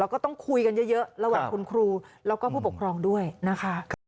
แล้วก็ต้องคุยกันเยอะระหว่างคุณครูแล้วก็ผู้ปกครองด้วยนะคะ